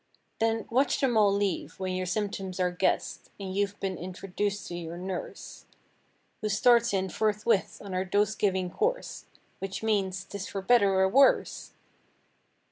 Then, watch them all leave, when your symptoms are guessed. And you've been introduced to your nurse. Who starts in forthwith on her dose giving course Which means—" 'Tis for better or worse!"